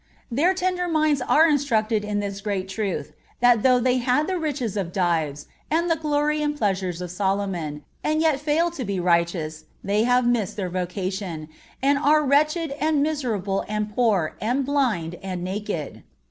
Their tender minds are instructed in this great truth that though they had the riches of Dives, and the glory and pleasures of Solomon, and yet fail to be righteous, they have missed their vocation, and are "wretched, and miserable, and poor, and blind, and naked."